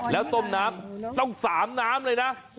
แล้วต้มน้ำต้อง๓น้ำเลยนะ